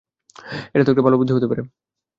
এটা একটা ভালো বুদ্ধি হতে পারে।